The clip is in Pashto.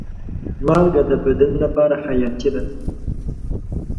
مالګه د بدن لپاره حیاتي ده.